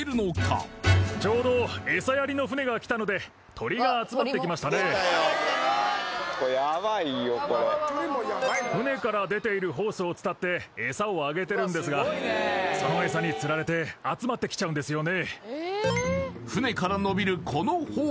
捕まえた船から出ているホースを伝って餌をあげてるんですがその餌につられて集まってきちゃうんですよね